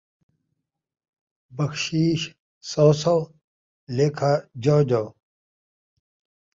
بخشیش سو سو، لیکھا جَو جَو